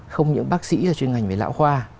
không những bác sĩ chuyên ngành với lão khoa